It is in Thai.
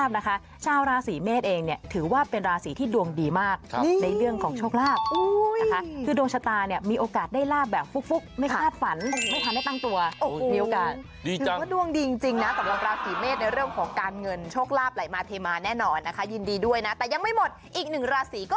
พอเรามีตังค์มากขึ้นคนที่เราอาจจะไม่ได้เจอหน้ากันนานมาก